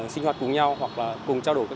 sinh hoạt cùng nhau hoặc là cùng trao đổi